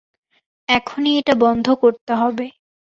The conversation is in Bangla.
এখনই এটা বন্ধ করতে হবে।